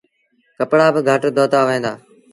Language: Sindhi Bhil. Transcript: ڪپڙآ با گھٽ دوتآ وهيݩ دآ۔